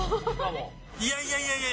いやいやいやいや。